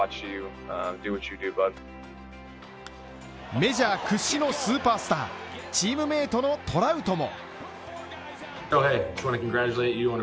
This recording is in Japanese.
メジャー屈指のスーパースター、チームメイトのトラウトも。